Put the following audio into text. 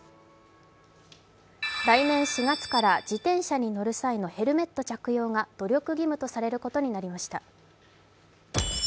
来年４月から自転車に乗る際のヘルメット着用が努力義務とされることになりました。